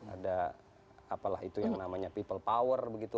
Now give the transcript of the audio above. ada apalah itu yang namanya people power begitu